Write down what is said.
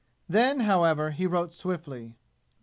Then, however, he wrote swiftly.